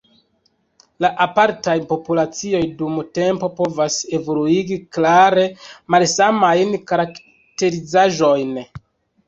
La apartaj populacioj dum tempo povas evoluigi klare malsamajn karakterizaĵojn.